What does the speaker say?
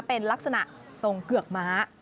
เป็นลักษณะตรงเกือกม้า